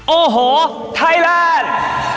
โอ้โหไทยแลนด์